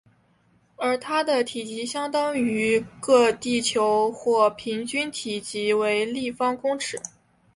而它的体积相当于个地球或平均体积为立方公尺。